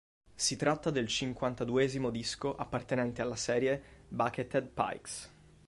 Si tratta del cinquantaduesimo disco appartenente alla serie "Buckethead Pikes".